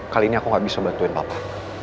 kali ini aku gak bisa bantuin papa